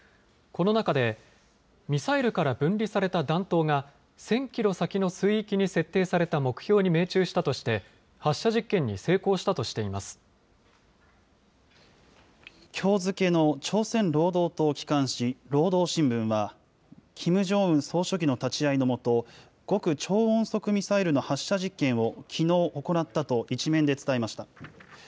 この中で、ミサイルから分離された弾頭が１０００キロ先の水域に設定された目標に命中したとして、きょう付けの朝鮮労働党機関紙、労働新聞は、キム・ジョンウン総書記の立ち会いの下、極超音速ミサイルの発射実験をきのう行ったと１面で伝えました。